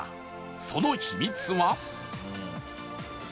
その秘密は